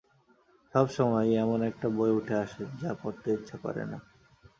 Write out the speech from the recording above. সব সময়ই এমন একটা বই উঠে আসে, যা পড়তে ইচ্ছে করে না।